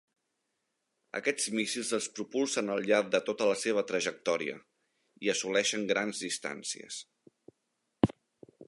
Aquests míssils es propulsen al llarg de tota la seva trajectòria i assoleixen grans distàncies.